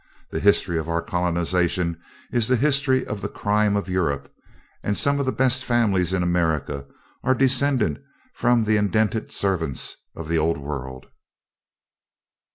The history of our colonization is the history of the crimes of Europe, and some of the best families in America are descended from the indented servants of the Old World.